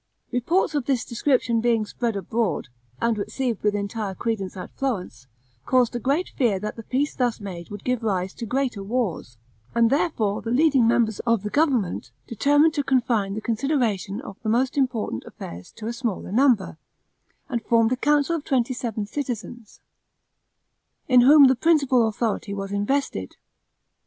Reports of this description being spread abroad, and received with entire credence at Florence, caused a general fear that the peace thus made would give rise to greater wars; and therefore the leading members of the government determined to confine the consideration of the most important affairs to a smaller number, and formed a council of seventy citizens, in whom the principal authority was invested.